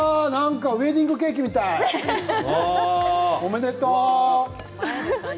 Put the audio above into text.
ウエディングケーキみたいおめでとう。